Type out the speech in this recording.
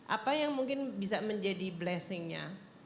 apa yang mungkin bisa menjadi blessingnya